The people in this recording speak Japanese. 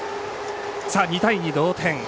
２対２、同点。